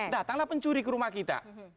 datanglah pencuri ke rumah kita